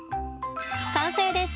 完成です。